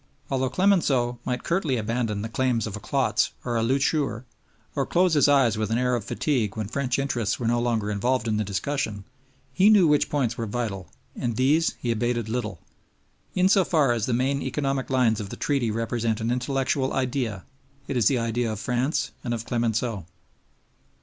Although Clemenceau might curtly abandon the claims of a Klotz or a Loucheur, or close his eyes with an air of fatigue when French interests were no longer involved in the discussion, he knew which points were vital, and these he abated little. In so far as the main economic lines of the Treaty represent an intellectual idea, it is the idea of France and of Clemenceau.